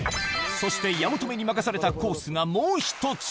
そして八乙女に託されたコースがもう１つ。